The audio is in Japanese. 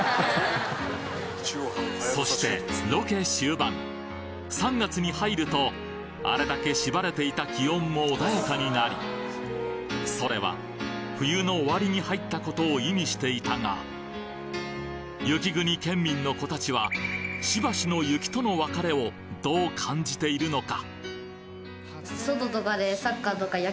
そしてに入るとあれだけしばれていた気温も穏やかになりそれは冬の終わりに入ったことを意味していたが雪国県民の子たちはしばしの「雪との別れ」をどう感じているのか？